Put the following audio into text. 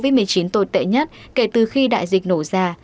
và đợt bùng phát covid một mươi chín tồi tệ nhất kể từ khi đại dịch nổ ra